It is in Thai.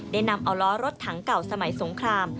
นำเอาล้อรถถังเก่าสมัยสงคราม